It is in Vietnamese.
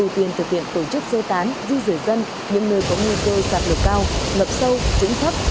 ưu tiên thực hiện tổ chức sơ tán du rời dân đến nơi có nguy cơ sạt lở cao mập sâu trúng thấp